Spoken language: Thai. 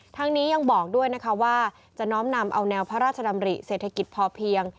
ทั้งนี้ยังบอกด้วยนะคะว่าจะน้อมนำเอาแนวพระราชดำริเศรษฐกิจพอเพียง